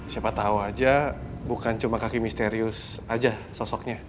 siapa tahu aja bukan cuma kaki misterius aja sosoknya